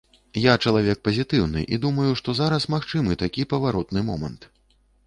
Я чалавек пазітыўны і думаю, што зараз магчымы такі паваротны момант.